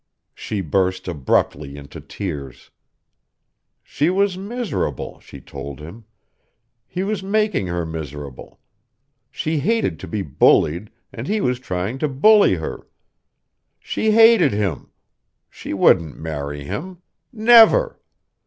She burst, abruptly, into tears. She was miserable, she told him. He was making her miserable. She hated to be bullied, and he was trying to bully her. She hated him. She wouldn't marry him. Never.